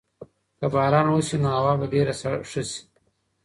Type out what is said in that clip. که باران وسي نو هوا به ډېره ښه سي.